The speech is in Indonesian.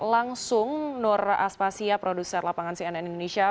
langsung nur aspasya produser lapangan cnn indonesia